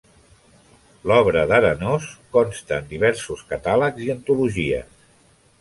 L'obra d'Arenós consta en diversos catàlegs i antologies.